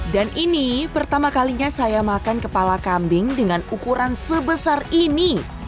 dan ini pertama kalinya saya makan kepala kambing dengan ukuran sebesar ini